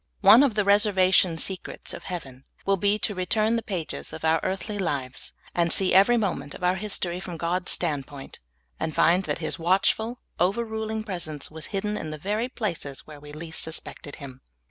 One of the reservation secrets of heaven wnll be to re turn the pages of our earthly lives and see everj^ moment of our history from God's standpoint, and find that His watchful, overruling pres ence was hidden in the very places where we least sus pected Him.